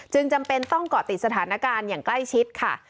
จำเป็นต้องเกาะติดสถานการณ์อย่างใกล้ชิดค่ะ